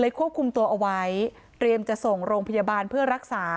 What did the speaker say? ควบคุมตัวเอาไว้เตรียมจะส่งโรงพยาบาลเพื่อรักษา